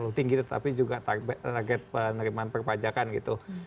terlalu tinggi tetapi juga target penerimaan perpajakan gitu